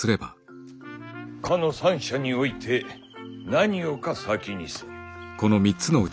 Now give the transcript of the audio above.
「斯の三者に於いて何をか先にせん」。